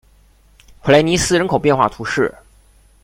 普雷尼斯人口变化图示